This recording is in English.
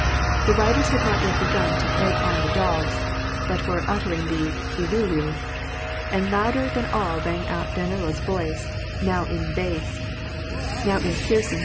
The riders had not yet begun to eg^ on the dogs, but were uttering the uliuliu ; and louder than all rang out Danilo's voice, now in bass, now in piercingly * Buryan, steppe grass.